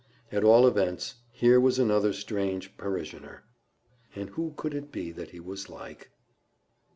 At all events, here was another strange parishioner. And who could it be that he was like?